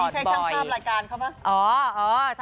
วงในนี่ใช้ชั่งพลาดรายการครับ